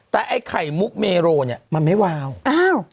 แต่ไอ้ไข่มุกเมโลเนี่ยมันไม่แวว